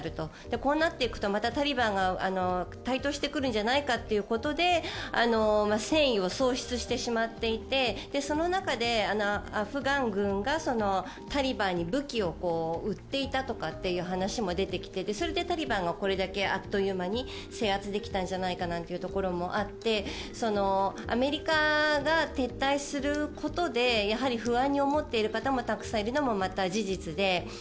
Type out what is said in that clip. こうなっていくとまたタリバンが台頭してくるんじゃないかということで戦意を喪失してしまっていてその中でアフガン軍がタリバンに武器を売っていたとかという話も出てきて、それでタリバンがこれだけあっという間に制圧できたんじゃないかというところもあってアメリカが撤退することで不安に思っている方もたくさんいるのもまた事実で。